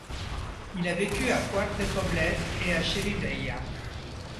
Il a vécu à Quart de Poblet et à Xirivella.